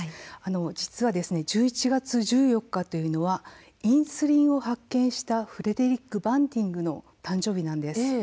実は１１月１４日というのはインスリンを発見したフレデリック・バンティングの誕生日なんです。